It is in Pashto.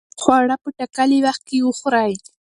خواړه په ټاکلي وخت کې وخورئ.